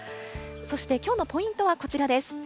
そして、きょうのポイントはこちらです。